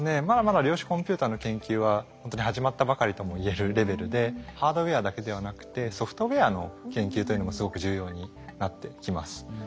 まだまだ量子コンピューターの研究はほんとに始まったばかりともいえるレベルでハードウエアだけではなくてソフトウエアの研究というのもすごく重要になってきます。